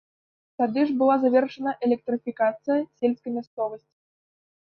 Тады ж была завершана электрыфікацыя сельскай мясцовасці.